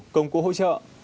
công cụ hỗ trợ